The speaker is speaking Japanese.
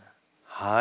はい！